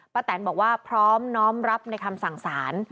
แตนบอกว่าพร้อมน้อมรับในคำสั่งสาร